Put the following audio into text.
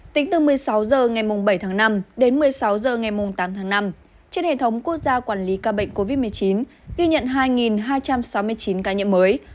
tính từ một mươi sáu h ngày bảy tháng năm đến một mươi sáu h ngày tám tháng năm trên hệ thống quốc gia quản lý ca bệnh covid một mươi chín ghi nhận hai hai trăm sáu mươi chín ca nhiễm mới